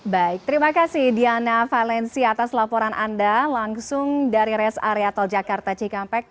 baik terima kasih diana valenci atas laporan anda langsung dari rest area tol jakarta cikampek